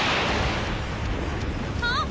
あっ！